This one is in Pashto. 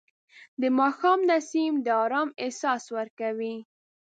د ماښام نسیم د آرام احساس ورکوي